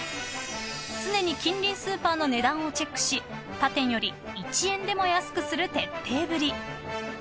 ［常に近隣スーパーの値段をチェックし他店より１円でも安くする徹底ぶり］